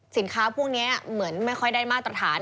สินค้าพวกนี้เหมือนไม่ค่อยได้มาตรฐาน